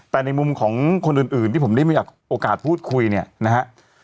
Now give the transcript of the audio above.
แต่ในมุมของคนอื่นที่ผมได้ไม่อยากโอกาสพูดคุยเนี่ยนะฮะ